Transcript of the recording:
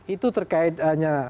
itu terkait hanya